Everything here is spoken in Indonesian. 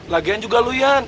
lagian juga lu yan